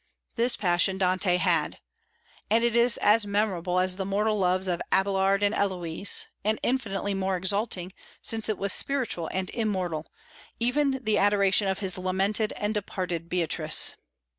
This passion Dante had; and it is as memorable as the mortal loves of Abélard and Héloïse, and infinitely more exalting, since it was spiritual and immortal, even the adoration of his lamented and departed Beatrice.